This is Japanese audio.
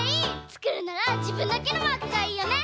つくるならじぶんだけのマークがいいよね！